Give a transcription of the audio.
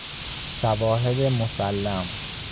شواهد مسلم